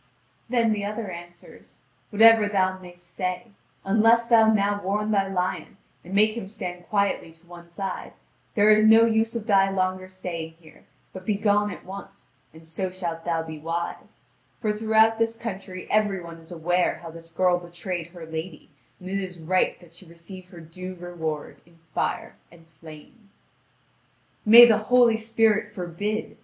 Then the other answers: "Whatever thou mayst say; unless thou now warn thy lion, and make him stand quietly to one side, there is no use of thy longer staying here, but begone at once, and so shalt thou be wise; for throughout this country every one is aware how this girl betrayed her lady, and it is right that she receive her due reward in fire and flame." "May the Holy Spirit forbid!"